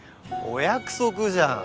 お約束じゃん。